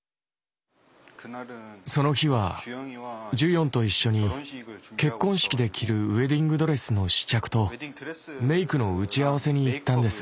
その日はジュヨンと一緒に結婚式で着るウエディングドレスの試着とメイクの打ち合わせに行ったんです。